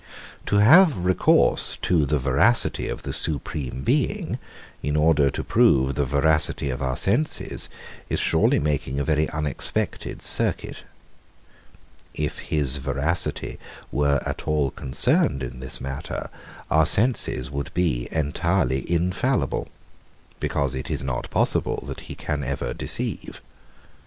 120. To have recourse to the veracity of the supreme Being, in order to prove the veracity of our senses, is surely making a very unexpected circuit. If his veracity were at all concerned in this matter, our senses would be entirely infallible; because it is not possible that he can ever deceive.